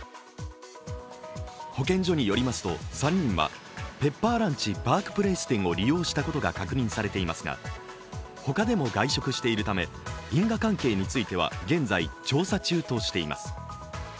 保健所によりますと、３人はペッパーランチ・パークプレイス店を利用したことが確認されていますが、他でも外食しているため因果関係については現在調査中としています。